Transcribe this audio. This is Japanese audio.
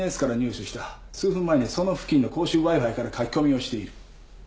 数分前にその付近の公衆Ｗｉ−Ｆｉから書き込みをしている。